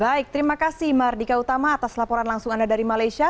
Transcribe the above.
baik terima kasih mardika utama atas laporan langsung anda dari malaysia